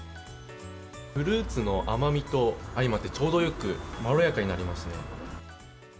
フルーツの甘みと相まってちょうどよくまろやかになりますね。